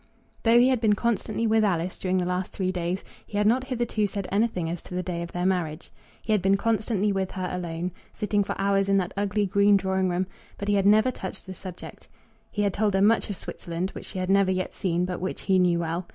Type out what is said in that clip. Though he had been constantly with Alice during the last three days, he had not hitherto said anything as to the day of their marriage. He had been constantly with her alone, sitting for hours in that ugly green drawing room, but he had never touched the subject. He had told her much of Switzerland, which she had never yet seen but which he knew well.